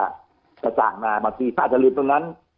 กระจ่างมาบางทีถ้าอาจจะลืมตรงนั้น